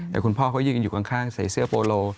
แต่คุณพ่อเขายืนอยู่ข้างใส่เสื้อโปโล